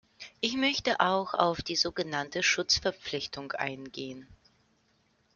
Ich möchte auch auf die so genannte Schutzverpflichtung eingehen.